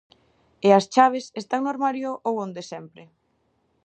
E as chaves, están no armario ou onde sempre?